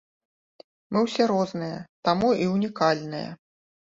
Мы ўсе розныя, таму і ўнікальныя!